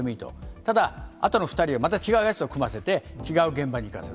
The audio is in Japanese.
ただ、あとの２人はまた違うやつと組ませて、違う現場に行かせる。